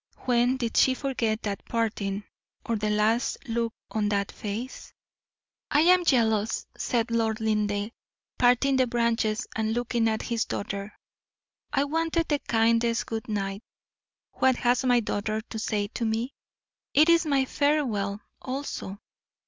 When did she forget that parting, or the last look on that face? "I am jealous," said Lord Linleigh, parting the branches and looking at his daughter. "I wanted the kindest good night. What has my daughter to say to me? It is my farewell, also.